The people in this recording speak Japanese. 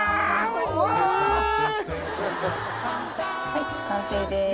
はい完成です。